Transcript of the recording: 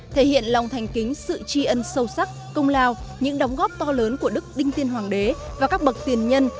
thể hiện lòng thành kính sự tri ân sâu sắc công lao những đóng góp to lớn của đức đinh tiên hoàng đế và các bậc tiền nhân